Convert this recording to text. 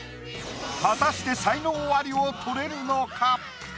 果たして才能アリを取れるのか？